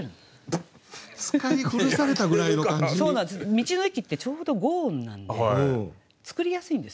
「道の駅」ってちょうど５音なんで作りやすいんですよ。